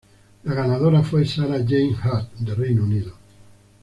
La ganadora fue Sarah-Jane Hutt de Reino Unido.